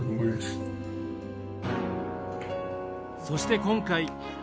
そして今回。